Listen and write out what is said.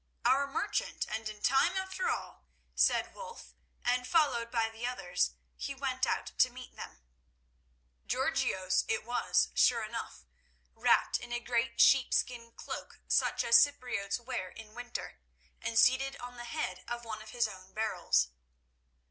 "Our merchant—and in time after all," said Wulf, and, followed by the others, he went out to meet them. Georgios it was, sure enough, wrapped in a great sheepskin cloak such as Cypriotes wear in winter, and seated on the head of one of his own barrels.